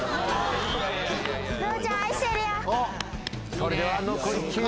それでは残り９秒です。